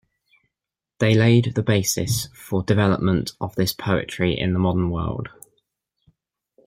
They laid the basis for development of this poetry in the modern world.